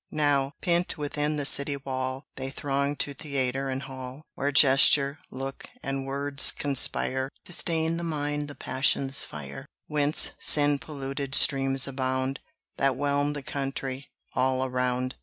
Now, pent within the city wall, They throng to theatre and hall, Where gesture, look, and words conspire, To stain the mind, the passions fire; Whence sin polluted streams abound, That whelm the country all around.